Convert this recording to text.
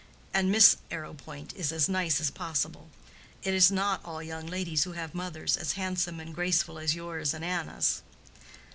And Miss Arrowpoint is as nice as possible. It is not all young ladies who have mothers as handsome and graceful as yours and Anna's."